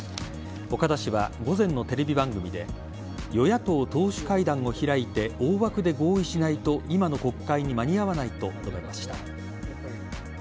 岡田氏は午前のテレビ番組で与野党党首会談を開いて大枠で合意しないと今の国会に間に合わないと述べました。